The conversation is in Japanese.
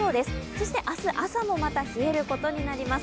そして明日、朝もまた冷えることになります。